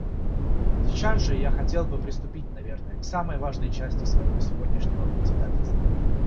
Сейчас же я хотел бы приступить, наверное, к самой важной части моего сегодняшнего председательства...